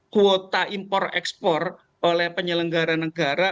kuota impor ekspor oleh penyelenggara negara